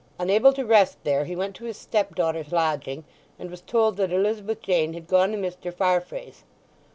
Unable to rest there he went to his stepdaughter's lodging, and was told that Elizabeth Jane had gone to Mr. Farfrae's.